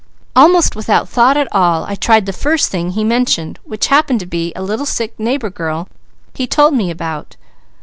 Almost without thought at all I tried the first thing he mentioned, which happened to be a little sick neighbour girl he told me about.